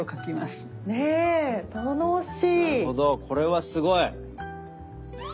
これはすごい！